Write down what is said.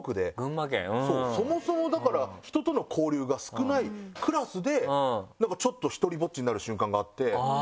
そうそもそもだから人との交流が少ないクラスでちょっとひとりぼっちになる瞬間があって。